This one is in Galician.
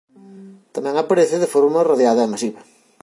Tamén aparece de forma radiada e masiva.